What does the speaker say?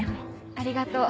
ありがとう。